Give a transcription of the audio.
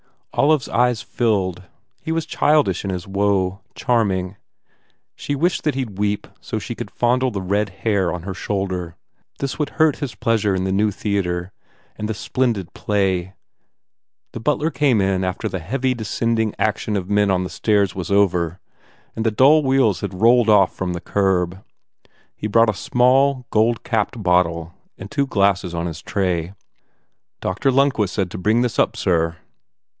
Olive s eyes filled. He was childish in his woe, charming. She wished that he d weep so she could fondle the red hair on her shoulder. This would hurt his pleasure in the new theatre and the splendid play. The butler came in after the heavy, descending motion of men on the stairs was over and the dull wheels had rolled off from the curb. He brought a small, gold capped bottle and two glasses on his tray. "Doctor Lundquist said to bring this up, sir."